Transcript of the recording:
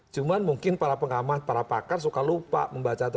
cuma mungkin para pengamat para pakar suka lupa membaca itu